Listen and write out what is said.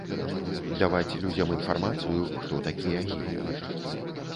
Даваць людзям інфармацыю, хто такія геі.